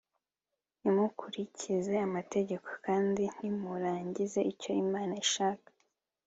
ntimukurikize amategeko kandi ntimurangize icyo imana ishaka